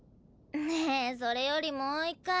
ねえそれよりもう一回。